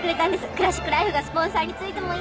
「クラシック・ライフ」がスポンサーについてもいい